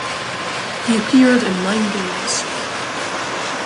He appeared in nine games.